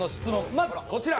まずはこちら。